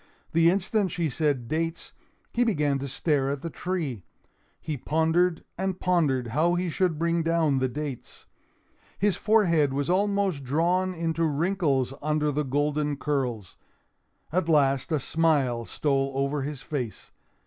The instant she said dates, he began to stare at the tree. He pondered and pondered how he should bring down the dates. His forehead was almost drawn into wrinkles under the golden curls. At last a smile stole over his face.